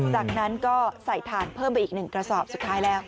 จากนั้นก็ใส่ถ่านเพิ่มไปอีก๑กระสอบสุดท้ายแล้ว